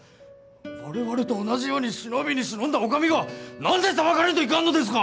我々と同じように忍びに忍んだお上が何で裁かれんといかんのですか！